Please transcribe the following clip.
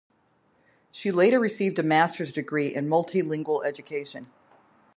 She later received a master's degree in Multi-Lingual Education.